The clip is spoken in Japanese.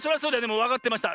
もうわかってました。